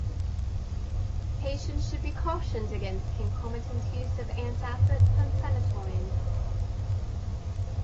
Patients should be cautioned against concomitant use of antacids and phenytoin.